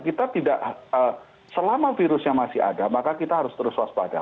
kita tidak selama virusnya masih ada maka kita harus terus waspada